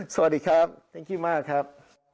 สวัสดีครับขอบคุณมากครับ